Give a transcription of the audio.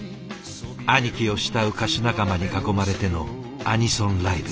アニキを慕う歌手仲間に囲まれてのアニソンライブ。